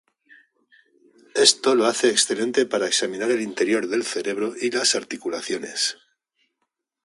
Esto lo hace excelente para examinar el interior del cerebro y las articulaciones.